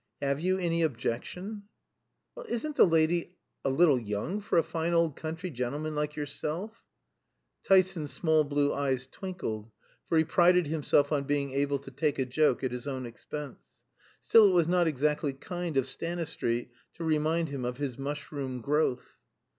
"Have you any objection?" "Well, isn't the lady a little young for a fine old country gentleman like yourself?" Tyson's small blue eyes twinkled, for he prided himself on being able to take a joke at his own expense. Still it was not exactly kind of Stanistreet to remind him of his mushroom growth.